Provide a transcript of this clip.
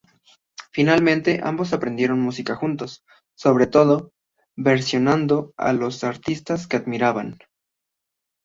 Finalmente ambos aprendieron música juntos, sobre todo versionando a los artistas que admiraban.